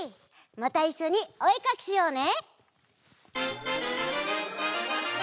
またいっしょにおえかきしようね！